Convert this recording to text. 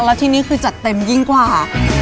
แล้วที่นี่คือจัดเต็มยิ่งกว่า